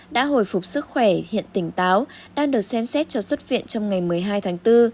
đã hồi phục sức khỏe hiện tỉnh táo đang được xem xét cho xuất viện trong ngày một mươi hai tháng bốn